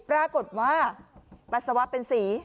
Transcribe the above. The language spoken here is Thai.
ปรากฏว่าปัสสาวะเป็นสี